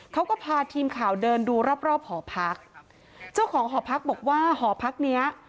เขาก็พาทีมข่าวเดินดูรอบรอบหอพักเจ้าของหอพักบอกว่าหอพักเนี้ย